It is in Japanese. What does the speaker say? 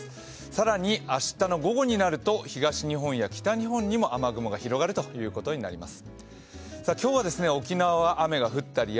更に、明日の午後になると東日本や北日本にも雨雲が広がるということになります。